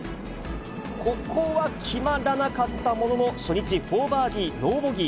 ここは決まらなかったものの、初日、４バーディー、ノーボギー。